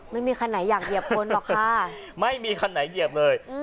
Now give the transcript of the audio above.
ไม่มีคันไหนอยากเหยียบคนหรอกค่ะไม่มีคันไหนเหยียบเลย